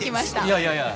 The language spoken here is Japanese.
いやいやいや。